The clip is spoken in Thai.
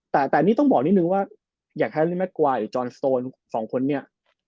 แต่ตอนนี้ต้องบอกนิดนึงว่าอยากให้มันแม็กกวายจอร์นโฟนสองคนนี้